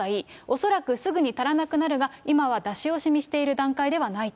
恐らくすぐに足らなくなるが、今は出し惜しみしている段階ではないと。